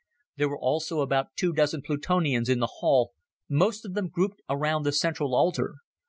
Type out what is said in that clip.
There were also about two dozen Plutonians in the hall, most of them grouped around the central altar.